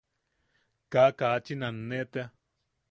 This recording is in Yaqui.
Kaa... kaachin aane tea.